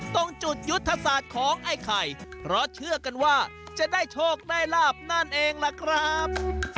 ตรงจุดยุทธศาสตร์ของไอ้ไข่เพราะเชื่อกันว่าจะได้โชคได้ลาบนั่นเองล่ะครับ